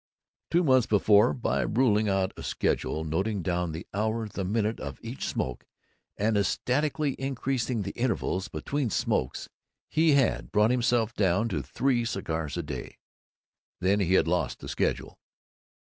Two months before, by ruling out a schedule, noting down the hour and minute of each smoke, and ecstatically increasing the intervals between smokes, he had brought himself down to three cigars a day. Then he had lost the schedule.